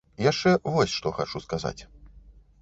Яшчэ вось што хачу сказаць.